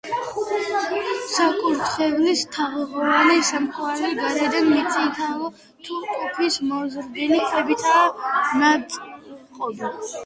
საკურთხევლის თაღოვანი სარკმელი გარედან მოწითალო ტუფის მოზრდილი ქვებითაა ნაწყობი.